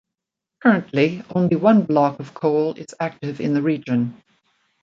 Currently only one block of coal is active in the region.